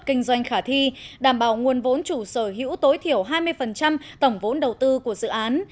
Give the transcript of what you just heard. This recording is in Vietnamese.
kinh doanh khả thi đảm bảo nguồn vốn chủ sở hữu tối thiểu hai mươi tổng vốn đầu tư của dự án